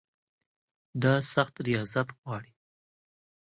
دا سخت ریاضت غواړي.